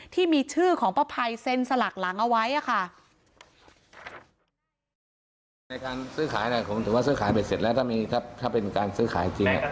ที่มีชื่อของป้าภัยเซ็นสลักหลังเอาไว้อะค่ะ